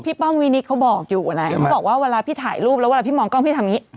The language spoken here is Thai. ป้อมวินิตเขาบอกอยู่นะเขาบอกว่าเวลาพี่ถ่ายรูปแล้วเวลาพี่มองกล้องพี่ทำอย่างนี้